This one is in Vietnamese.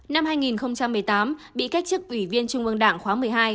năm hai nghìn một mươi tám bị cách chức ủy viên trung ương đảng khóa một mươi hai